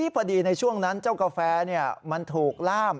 ในช่วงนั้นเจ้ากาแฟมันถูกล่าม